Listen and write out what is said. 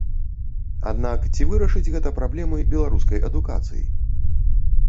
Аднак ці вырашыць гэта праблемы беларускай адукацыі?